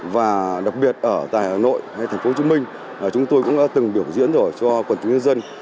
và đặc biệt ở tại hà nội hay thành phố hồ chí minh chúng tôi cũng đã từng biểu diễn rồi cho quần chúng nhân dân